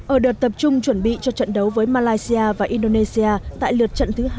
ở đợt tập trung chuẩn bị cho trận đấu với malaysia và indonesia tại lượt trận thứ hai